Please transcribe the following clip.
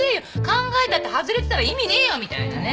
考えたって外れてたら意味ねえよみたいなね。